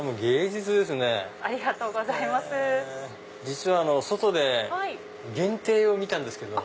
実は外で限定を見たんですけど。